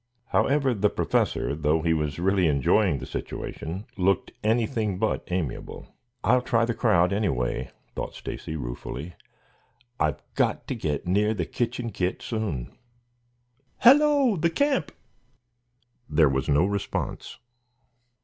However, the Professor, though he was really enjoying the situation, looked anything but amiable. "I'll try the crowd, anyway," thought Stacy, ruefully. "I've got to get near the kitchen kit soon. Hello, the camp!" There was no response.